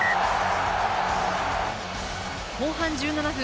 後半１７分。